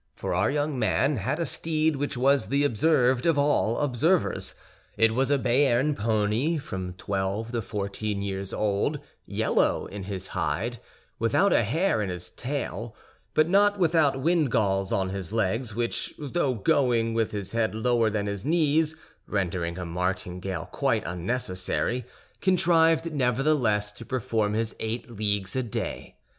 For our young man had a steed which was the observed of all observers. It was a Béarn pony, from twelve to fourteen years old, yellow in his hide, without a hair in his tail, but not without windgalls on his legs, which, though going with his head lower than his knees, rendering a martingale quite unnecessary, contrived nevertheless to perform his eight leagues a day.